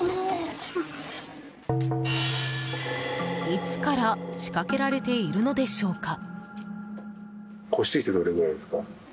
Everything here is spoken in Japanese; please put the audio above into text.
いつから仕掛けられているのでしょうか？